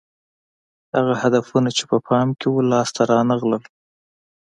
هغه هدفونه چې په پام کې وو لاس ته رانه غلل